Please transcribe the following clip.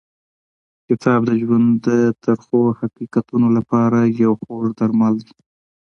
کتاب د ژوند د تریخو حقیقتونو لپاره یو خوږ درمل دی.